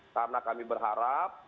karena kami berharap